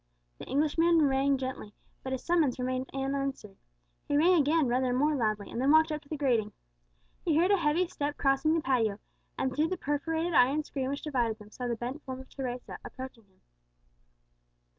The Englishman rang gently, but his summons remained unanswered. He rang again rather more loudly, and then walked up to the grating. He heard a heavy step crossing the patio, and through the perforated iron screen which divided them saw the bent form of Teresa approaching towards him.